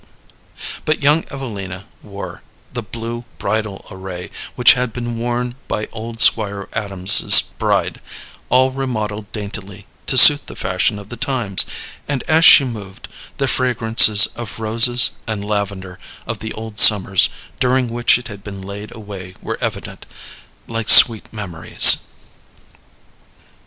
But young Evelina wore the blue bridal array which had been worn by old Squire Adams's bride, all remodelled daintily to suit the fashion of the times; and as she moved, the fragrances of roses and lavender of the old summers during which it had been laid away were evident, like sweet memories.